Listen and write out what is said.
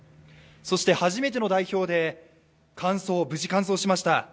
そして初めての代表で無事、完走しました。